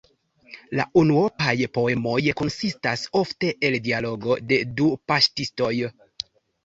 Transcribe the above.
La unuopaj poemoj konsistas ofte el dialogo de du paŝtistoj.